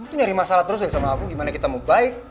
kamu tuh nyari masalah terus deh sama aku gimana kita mau baik